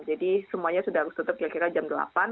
jadi semuanya sudah harus ditutup kira kira jam delapan